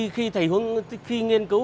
khi nghiên cứu